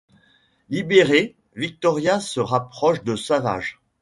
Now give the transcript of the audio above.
Libérée, Victoria se rapproche de Savage.